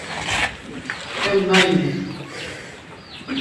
Ew nayîne.